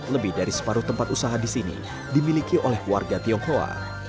lebih dari separuh tempat usaha di sini dimiliki oleh warga tionghoa